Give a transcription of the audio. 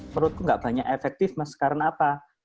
menurutku tidak banyak efektif mas karena apa